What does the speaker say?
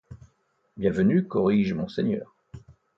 Bienvenu corrige monseigneur.